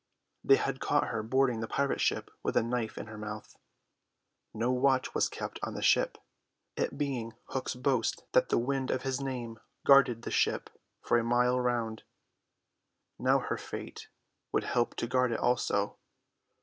They had caught her boarding the pirate ship with a knife in her mouth. No watch was kept on the ship, it being Hook's boast that the wind of his name guarded the ship for a mile around. Now her fate would help to guard it also.